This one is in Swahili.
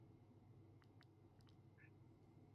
Ule anajifanyaka kuwa mupumbafu njo anajuwaka